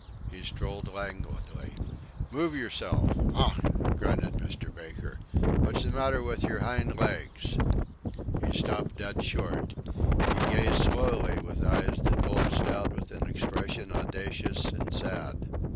He strolled languidly. "Move yourself! Ough!" grunted Mr. Baker; "what's the matter with your hind legs?" He stopped dead short. He gazed slowly with eyes that bulged out with an expression audacious and sad.